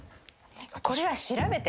これは調べて。